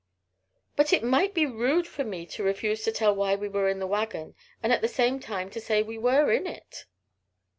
"But it might be rude for me to refuse to tell why we were in the wagon, and at the same time to say we were in it."